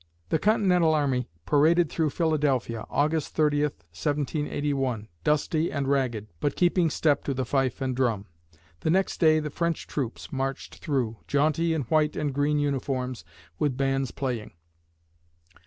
The Continental army paraded through Philadelphia (August 30, 1781), dusty and ragged, but keeping step to the fife and drum. The next day, the French troops marched through, jaunty in white and green uniforms, with bands playing.